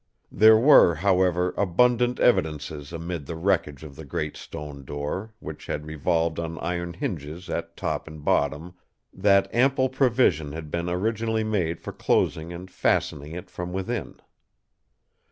There were, however, abundant evidences amid the wreckage of the great stone door, which had revolved on iron hinges at top and bottom, that ample provision had been originally made for closing and fastening it from within.